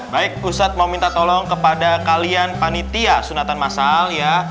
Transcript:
baik ustadz mau minta tolong kepada kalian panitia sunatan masal ya